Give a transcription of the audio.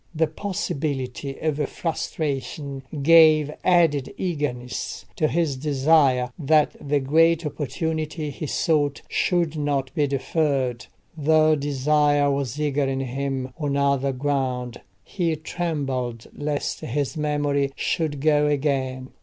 The possibility of frustration gave added eagerness to his desire that the great opportunity he sought should not be deferred. The desire was eager in him on another ground; he trembled lest his memory should go again.